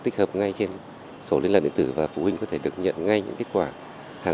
tích hợp ngay trên sổ liên lạc điện tử và phụ huynh có thể được nhận ngay những kết quả hàng